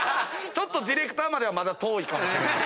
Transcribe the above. ディレクターまではまだ遠いかもしれない。